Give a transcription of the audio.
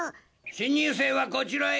新入生はこちらへ。